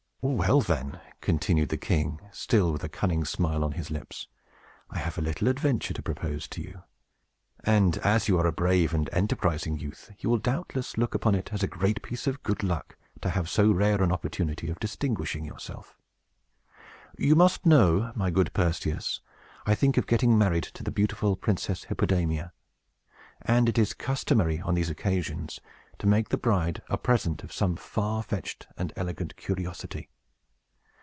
"Well, then," continued the king, still with a cunning smile on his lips, "I have a little adventure to propose to you; and, as you are a brave and enterprising youth, you will doubtless look upon it as a great piece of good luck to have so rare an opportunity of distinguishing yourself. You must know, my good Perseus, I think of getting married to the beautiful Princess Hippodamia; and it is customary, on these occasions, to make the bride a present of some far fetched and elegant curiosity.